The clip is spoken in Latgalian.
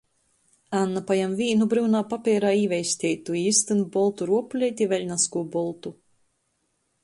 Anna pajam vīnu bryunā papeirā īveisteitu i iztyn boltu ruopuleiti i vēļ nazkū boltu.